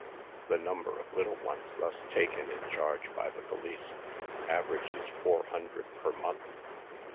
The number of little ones thus taken in charge by the police, aver ages four hundred per month.